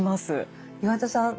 岩田さん